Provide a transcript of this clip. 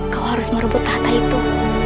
kau harus merebut tahta itu